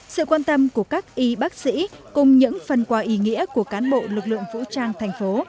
sự quan tâm của các y bác sĩ cùng những phần quà ý nghĩa của cán bộ lực lượng vũ trang thành phố